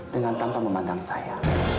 dengan tanpa memandang saya